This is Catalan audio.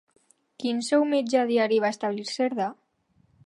Quin sou mitjà diari va establir Cerdà?